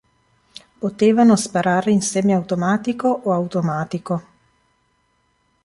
Potevano sparare in semiautomatico o automatico.